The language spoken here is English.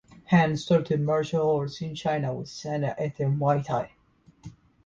Han started martial arts in China with Sanda and the Muay Thai.